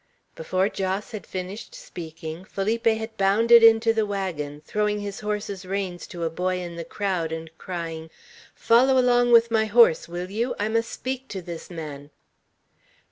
Before Jos had finished speaking, Felipe had bounded into the wagon, throwing his horse's reins to a boy in the crowd, and crying, "Follow along with my horse, will you? I must speak to this man."